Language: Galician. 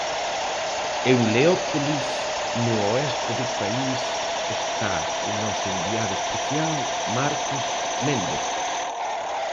En Leópolis, no oeste do país, está o noso enviado especial Marcos Méndez.